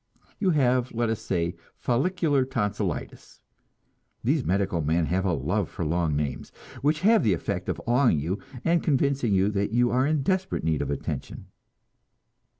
You have, let us say, "follicular tonsilitis." (These medical men have a love for long names, which have the effect of awing you, and convincing you that you are in desperate need of attention.)